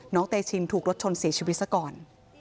เตชินถูกรถชนเสียชีวิตซะก่อน